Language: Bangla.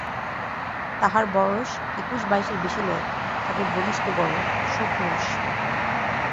তাহার বয়স একুশ-বাইশের বেশি নয়, বেশ বলিষ্ঠ গড়ন, সুপুরুষ।